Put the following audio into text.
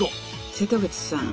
瀬戸口さん